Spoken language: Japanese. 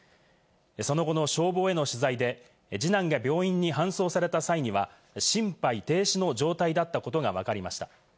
その後の消防への取材で、二男が病院に搬送された際には心肺停止の状態だったことがわかりました。